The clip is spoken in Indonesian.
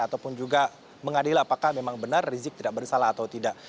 ataupun juga mengadil apakah memang benar rizik tidak bersalah atau tidak